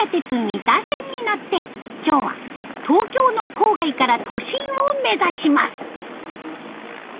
三田線に乗って今日は東京の郊外から都心を目指します。